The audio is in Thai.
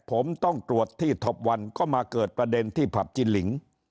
ผมต้องตรวจที่ท็อปวันก็มาเกิดประเด็นที่ผับจินลิง